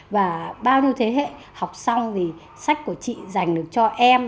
và bao nhiêu thế hệ học xong thì sách của chị dành được cho em